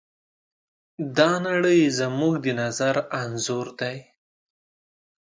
دا نړۍ زموږ د نظر انځور دی.